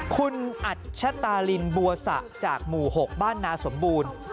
คุณอัชตาลินบัวสะจากหมู่๖บ้านนาสมบูรณ์